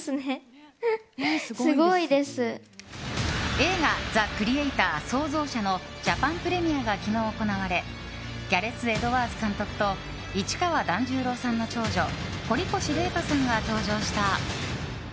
映画「ザ・クリエイター／創造者」のジャパンプレミアが昨日、行われギャレス・エドワーズ監督と市川團十郎さんの長女堀越麗禾さんが登場した。